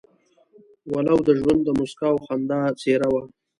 ولو د ژوند د موسکا او خندا څېره وه.